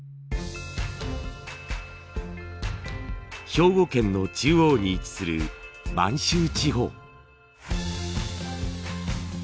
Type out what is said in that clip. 兵庫県の中央に位置する播州地方。